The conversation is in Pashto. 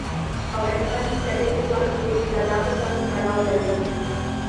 په افغانستان کې تاریخ د خلکو د اعتقاداتو سره تړاو لري.